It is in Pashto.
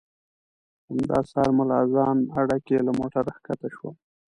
همدا سهار ملا اذان اډه کې له موټره ښکته شوم.